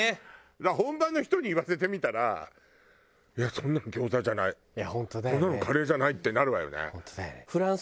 だから本場の人に言わせてみたら「いやそんなの餃子じゃない」「そんなのカレーじゃない」ってなるわよね。